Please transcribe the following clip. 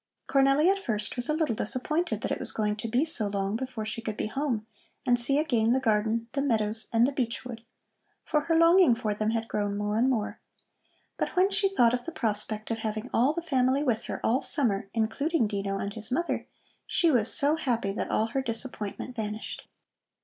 Cornelli at first was a little disappointed that it was going to be so long before she could be home and see again the garden, the meadows and the beech wood, for her longing for them had grown more and more. But when she thought of the prospect of having all the family with her all summer, including Dino and his mother, she was so happy that all her disappointment vanished.